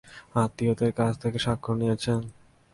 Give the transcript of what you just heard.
আত্মীয়দের কাছ থেকে স্বাক্ষর নিয়েছেন?